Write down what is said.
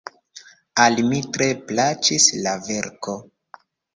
Al mi tre plaĉis la verko.